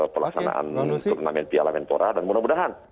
pelaksanaan turnamen piala menpora dan mudah mudahan